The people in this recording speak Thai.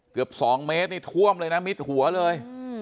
เกือบ๒เมตรนี่ท่วมเลยนะมิดหัวเลย